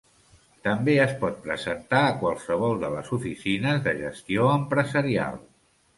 També es pot presentar a qualsevol de les oficines de gestió empresarial.